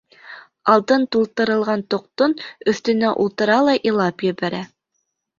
Алтын тултырылған тоҡтоң өҫтөнә ултыра ла илап ебәрә.